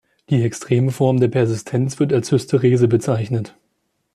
Die extreme Form der Persistenz wird als Hysterese bezeichnet.